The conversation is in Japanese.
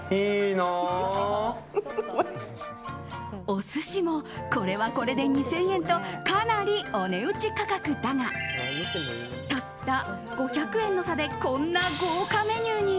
お寿司もこれはこれで２０００円とかなりお値打ち価格だがたった５００円の差でこんな豪華メニューに！